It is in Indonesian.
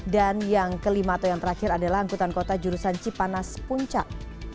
dan yang kelima atau yang terakhir adalah angkutan kota jurusan cipanas puncak